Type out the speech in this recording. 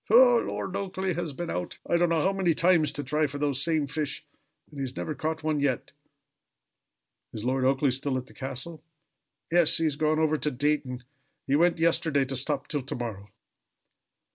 "Ho! Lord Oakleigh has been out I don't know how many times to try for those same fish, and he has never caught one yet." "Is Lord Oakleigh still at the castle?" "Yes. He has gone over to Dayton he went yesterday to stop till to morrow."